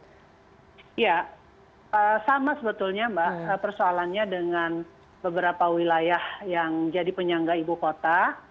ya sama sebetulnya mbak persoalannya dengan beberapa wilayah yang jadi penyangga ibu kota